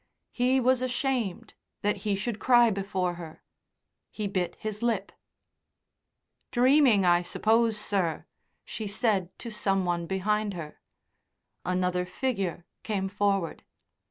He was ashamed that he should cry before her. He bit his lip. "Dreaming, I suppose, sir," she said to some one behind her. Another figure came forward.